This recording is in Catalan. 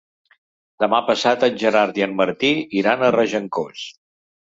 Demà passat en Gerard i en Martí iran a Regencós.